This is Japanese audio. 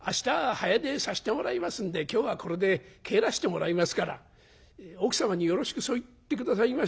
早出さしてもらいますんで今日はこれで帰らしてもらいますから奥様によろしくそう言って下さいまし。